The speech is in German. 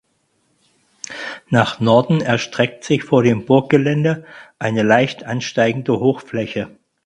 Nach Norden erstreckt sich vor dem Burggelände eine leicht ansteigende Hochfläche.